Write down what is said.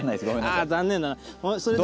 あ残念だな！